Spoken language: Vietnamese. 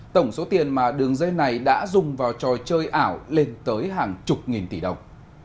tổng số tiền mà đường dây này đã dùng vào trò chơi ảo lên tới hàng chục nghìn tỷ đồng